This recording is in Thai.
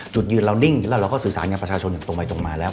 จุดยืนเรานิ่งแล้วเราก็สื่อสารกับประชาชนอย่างตรงไปตรงมาแล้ว